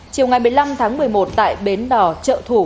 chiều ngày một mươi năm tháng một mươi một tại bến đò chợ thủ